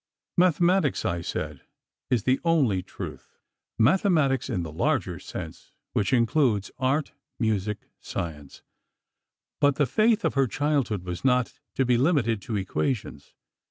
"Mathematics," I said, "is the only truth—mathematics in the larger sense, which includes art, music, science——" But the faith of her childhood was not to be limited to equations.